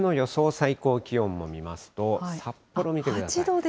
最高気温も見ますと、札幌見てください。